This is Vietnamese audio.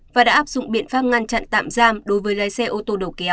và đã áp dụng biện pháp ngăn chặn tạm giam đối với lái xe ô tô đầu kéo